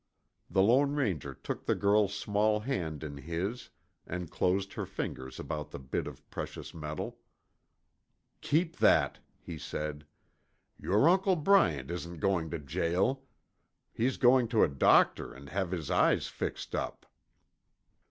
The Lone Ranger took the girl's small hand in his and closed her fingers about the bit of precious metal. "Keep that," he said. "Your Uncle Bryant isn't going to jail. He's going to a doctor and have his eyes fixed up."